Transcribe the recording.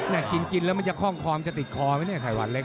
กินกินแล้วมันจะคล่องคอมันจะติดคอไหมเนี่ยไข่หวานเล็ก